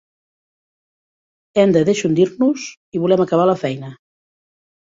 Hem de deixondir-nos, si volem acabar la feina.